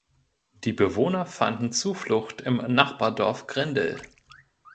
Die Bewohner fanden Zuflucht im Nachbardorf Grindel.